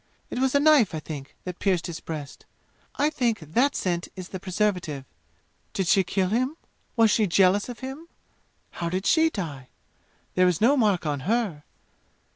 It was a knife, I think, that pierced his breast. I think that scent is the preservative. Did she kill him? Was she jealous of him? How did she die? There is no mark on her!